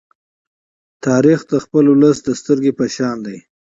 تاریخ د خپل ولس د سترگې په شان دی.